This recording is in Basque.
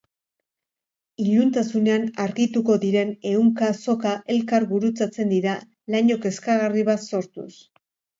Iluntasunean argituko diren ehunka soka elkar gurutzatzen dira laino kezkagarri bat sortuz.